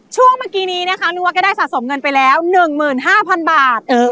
ช่วงเมื่อกี้นี้นะคะนึกว่าก็ได้สะสมเงินไปแล้ว๑๕๐๐๐บาท